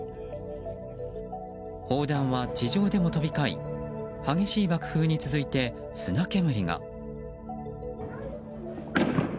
砲弾は地上でも飛び交い激しい爆風に続いて、砂煙が。